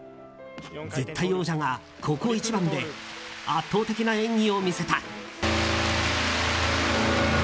絶対王者がここ一番で圧倒的な演技を見せた。